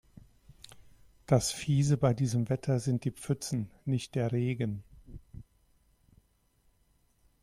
Das Fiese bei diesem Wetter sind die Pfützen, nicht der Regen.